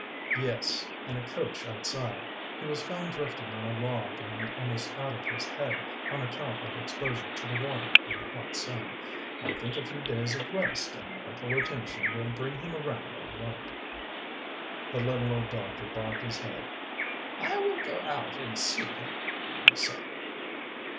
"Yes, in a coach outside. He was found drifting on a log and almost out of his head on account of exposure to the water and the hot sun. I think a few days of rest and medical attention will bring him around all right." The little old doctor bobbed his head. "I will go out and see him," he said.